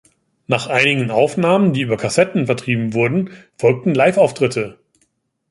Nach einigen Aufnahmen, die über Cassetten vertrieben wurden, folgten Liveauftritte.